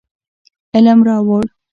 علم راوړو.